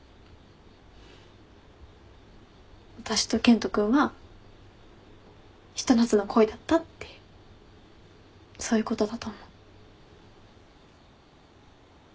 私と健人君はひと夏の恋だったってそういうことだと思う。